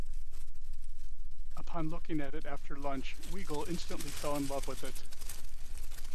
Upon looking at it after lunch, Weigle instantly fell in love with it.